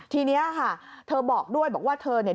ทีนี้ค่ะเธอบอกด้วยบอกว่าเธอเนี่ย